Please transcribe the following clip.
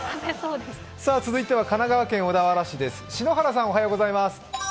続いては神奈川県小田原市です。